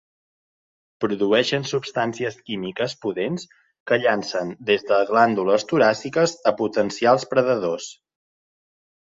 Produeixen substàncies químiques pudents, que llancen des de glàndules toràciques a potencials predadors.